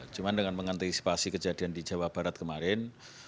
cuma dengan mengantisipasi kejadian di jawa barat kemarin